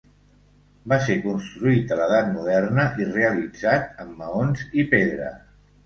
Va ser construït a l'edat moderna i realitzat amb maons i pedra.